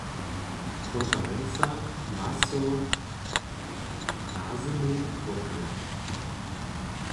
Konferenca ma so nazymu wotměć.